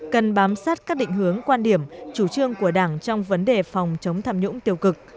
cần bám sát các định hướng quan điểm chủ trương của đảng trong vấn đề phòng chống tham nhũng tiêu cực